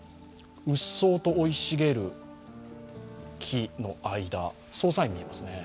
うっそうと生い茂る木の間、捜査員が見えますね。